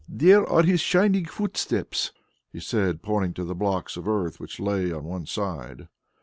There are His shining footsteps," he said, pointing to the blocks of earth which lay on one side.